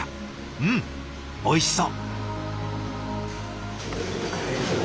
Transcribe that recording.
うんおいしそう。